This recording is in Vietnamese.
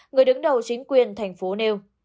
người đứng đầu chính quyền thành phố nêu